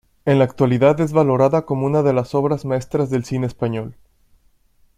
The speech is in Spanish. En la actualidad es valorada como una de las obras maestras del cine español.